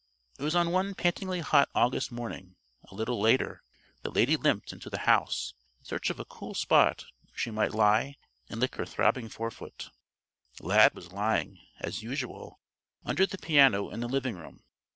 It was on one pantingly hot August morning, a little later, that Lady limped into the house in search of a cool spot where she might lie and lick her throbbing forefoot. Lad was lying, as usual, under the piano in the living room.